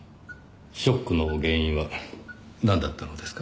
ショックの原因はなんだったのですか？